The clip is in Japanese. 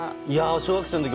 小学生の時